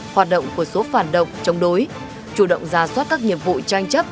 hoạt động của số phản động chống đối chủ động ra soát các nhiệm vụ tranh chấp